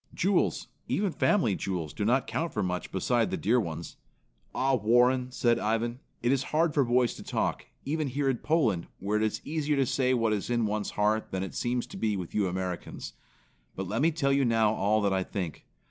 "Jewels, even family jewels, do not count for much beside the dear ones. Ah, Warren," said Ivan, "it is hard for boys to talk, even here in Poland, where it is easier to say what is in one's heart than it seems to be with you Americans. But let me tell you now all that I think.